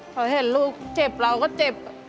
พอเห็นลูกเจ็บเราก็เจ็บ